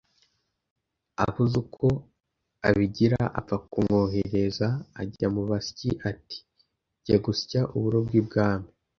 Abuze uko abigira apfa kumwohereza ajya mu basyi ati: “Jya gusya uburo bw’ibwami